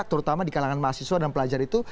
terutama di kalangan mahasiswa dan pelajar itu